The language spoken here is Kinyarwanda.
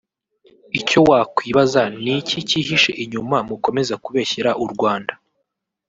Icyo wakwibaza niki kihishe inyuma mukomeza kubeshyera u Rwanda